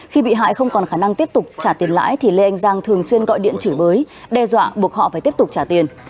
khi bị hại không còn khả năng tiếp tục trả tiền lãi thì lê anh giang thường xuyên gọi điện chửi bới đe dọa buộc họ phải tiếp tục trả tiền